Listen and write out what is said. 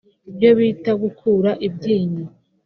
ibyo bita’gukura ibyinyo’